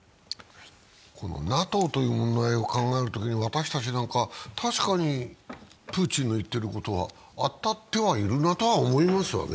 ＮＡＴＯという問題を考えるときに、私たちなんか確かに、プーチンの言っていることは当たってはいるなとは思いますね。